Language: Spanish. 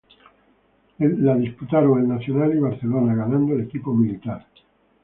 La disputaron el El Nacional y Barcelona, ganando el equipo militar.